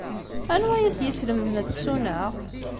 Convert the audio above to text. Anwa ay as-yeslemden ad tessuneɣ?